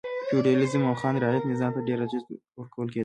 فیوډالېزم او خان رعیت نظام ته ډېر ارزښت ورکول کېده.